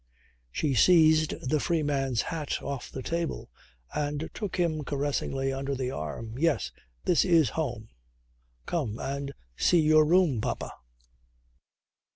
She seized the free man's hat off the table and took him caressingly under the arm. "Yes! This is home, come and see your room, papa!"